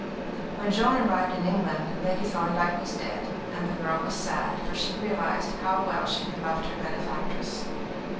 When Joan arrived in England, Lady Thorndyke was dead, and the girl was sad, for she realised how well she had loved her benefactress.